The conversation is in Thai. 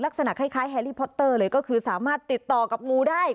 ลักษณะคล้ายแฮรี่พอตเตอร์เลยก็คือสามารถติดต่อกับงูได้